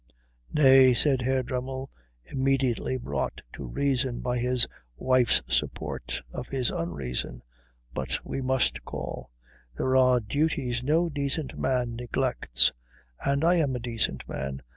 "Nay," said Herr Dremmel, immediately brought to reason by his wife's support of his unreason, "but we must call. There are duties no decent man neglects. And I am a decent man.